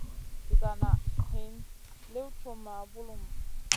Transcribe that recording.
Ɗiga nan hin liw truhma bulum.